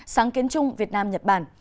sáng kiến chung việt nam nhật bản